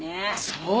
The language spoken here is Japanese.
そう！